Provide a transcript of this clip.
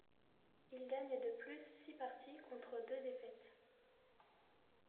Il gagne de plus six parties, contre deux défaites.